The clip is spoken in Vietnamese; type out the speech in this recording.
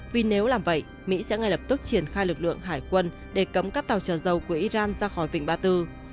vì nếu làm vậy mỹ sẽ ngay lập tức triển khai lực lượng hải quân để cấm các tàu trở dầu của iran ra khỏi vịnh ba tư